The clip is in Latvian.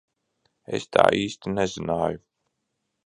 Es tā īsti nezināju.